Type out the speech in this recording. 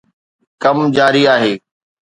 ڪم جاري آهي